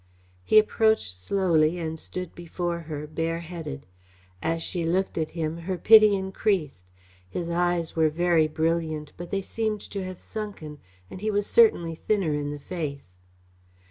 He approached slowly and stood before her, bareheaded. As she looked at him her pity increased. His eyes were very brilliant but they seemed to have sunken, and he was certainly thinner in the face.